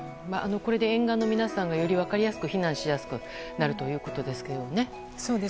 これで沿岸の皆さんがより分かりやすく避難しやすくなるということですね。